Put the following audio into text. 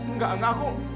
enggak enggak aku